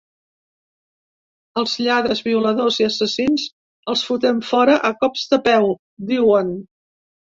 “Als lladres, violadors i assassins els fotem fora a cops de peu”, diuen.